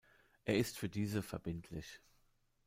Er ist für diese verbindlich.